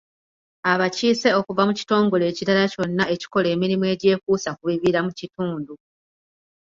Abakiise okuva mu kitongole ekirala kyonna ekikola emirimu egyekuusa ku bibira mu kitundu.